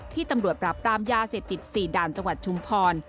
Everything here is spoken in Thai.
ตำรวจปราบปรามยาเสพติด๔ด่านจังหวัดชุมพร